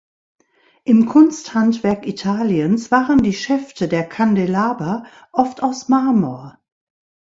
Im Kunsthandwerk Italiens waren die Schäfte der Kandelaber oft aus Marmor.